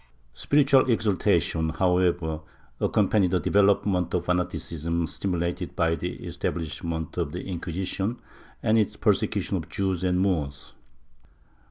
^ Spiritual exaltation, however, accompanied the development of the fanati cism stimulated by the establishment of the Inquisition and its persecution of Jews and Moors.